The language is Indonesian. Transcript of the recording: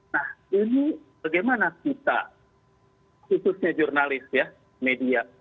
nah ini bagaimana kita khususnya jurnalis ya media